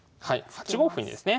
８五歩にですね